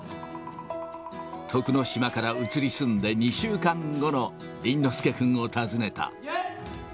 徳之島から移り住んで２週間後の倫之亮君を訪ねた。